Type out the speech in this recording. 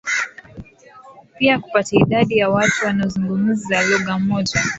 Pia Kupata idadi ya watu wanaozungumza lugha moja